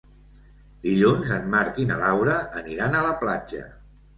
Dilluns en Marc i na Laura aniran a la platja.